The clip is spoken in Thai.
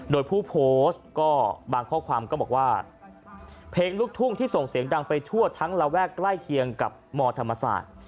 โดยผู้โพสต์ก็บางข้อความก็บอกว่าเพลงลูกทุ่งที่ส่งเสียงดังไปทั่วทั้งระแวกใกล้เคียงกับมธรรมศาสตร์